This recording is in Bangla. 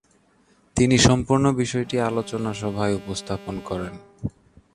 তিনি সম্পূর্ণ বিষয়টি আলোচনা সভায় উপস্থাপন করেন।